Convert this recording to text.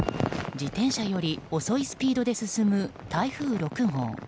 自転車より遅いスピードで進む台風６号。